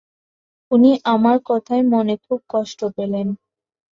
উনি আমার কথায় মনে খুব কষ্ট পেলেন।